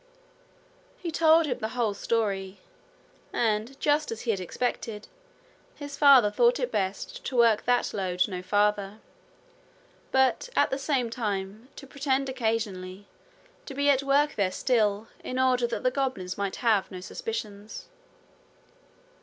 He told him the whole story; and, just as he had expected, his father thought it best to work that lode no farther, but at the same time to pretend occasionally to be at work there still in order that the goblins might have no suspicions.